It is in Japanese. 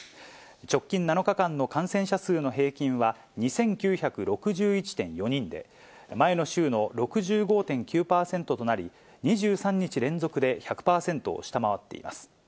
直近７日間の感染者数の平均は２９６１．４人で、前の週の６５．９％となり、２３日連続で１００％を下回っています。